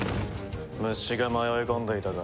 虫が迷い込んでいたか。